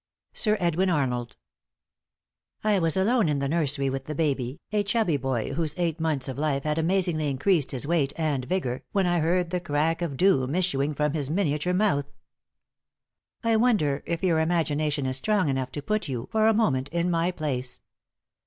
Sir Edwin Arnold. I was alone in the nursery with the baby, a chubby boy whose eight months of life had amazingly increased his weight and vigor, when I heard the crack of doom issuing from his miniature mouth! I wonder if your imagination is strong enough to put you, for a moment, in my place.